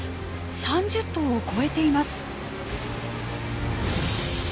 ３０頭を超えています。